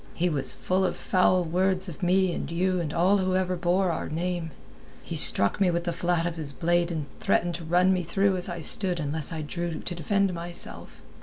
He was full of foul words of me and you and all whoever bore our name. He struck me with the flat of his blade and threatened to run me through as I stood unless I drew to defend myself.